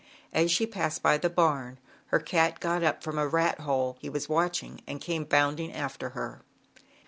As she passed by the barn her cat got up from a rat hole he was watching and came bound ing after her.